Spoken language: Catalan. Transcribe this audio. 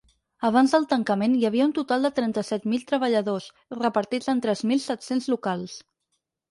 Abans del tancament, hi havia un total de trenta-set mil treballadors, repartits en tres mil set-cents locals.